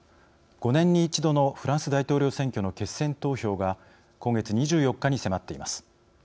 ５年に一度のフランス大統領選挙の決選投票が今月２４日に迫っています。